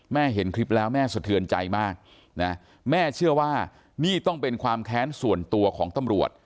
เห็นคลิปแล้วแม่สะเทือนใจมากนะแม่เชื่อว่านี่ต้องเป็นความแค้นส่วนตัวของตำรวจ